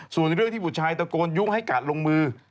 ส่วนเรื่องที่บุตรชายตะโกนยุ่งให้กัดลงมือ